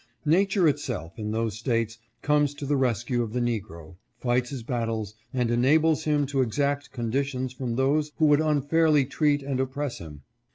"Nature itself, in those States, comes to the rescue of the negro, fights his battles, and enables him to exact conditions from those who would unfairly treat and oppress him.